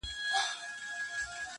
رندان سنګسار ته یوسي دوی خُمونه تښتوي!!